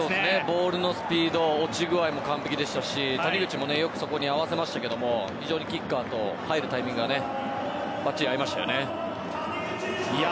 ボールのスピード落ち具合も完璧でしたし谷口もよくそこに合わせましたけど非常にキッカーと入るタイミングがバッチリ合いましたね。